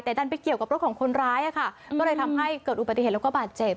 แต่ดันไปเกี่ยวกับรถของคนร้ายอะค่ะก็เลยทำให้เกิดอุบัติเหตุแล้วก็บาดเจ็บ